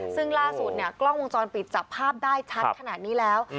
ซึ่งล่าสุดเนี่ยกล้องวงจรปิดจับภาพได้ชัดขนาดนี้แล้ว